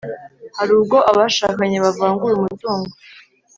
hari ubwo abashakanye bavangura umutungo,